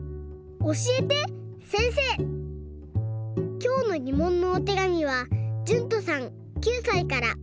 きょうのぎもんのおてがみはじゅんとさん９さいから。